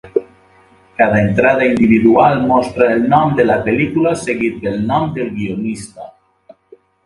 Cada entrada individual mostra el nom de la pel·lícula seguit pel nom del guionista.